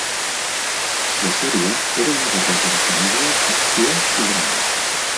La sèrie era una barreja de comèdia, acció i drama.